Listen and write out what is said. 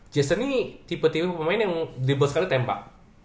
jason ini tipe tipe pemain yang ribut sekali tembak